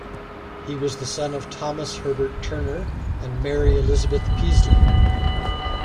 He was the son of Thomas Herbert Turner and Mary Elizabeth Peasley.